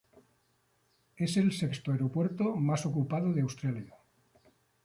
Es el sexto aeropuerto más ocupado de Australia.